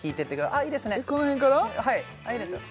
はいいいですよ